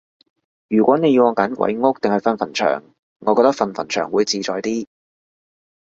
如果你要我揀鬼屋定係瞓墳場，我覺得瞓墳場會自在啲